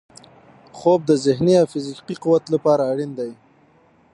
خوب د ذهني او فزیکي قوت لپاره اړین دی